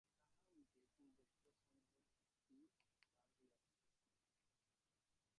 তাহা হইতে পূর্বোক্ত সংযমশক্তি লাভ হইয়া থাকে।